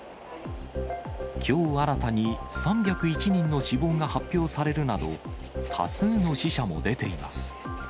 きょう新たに３０１人の死亡が発表されるなど、多数の死者も出ています。